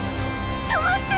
止まって！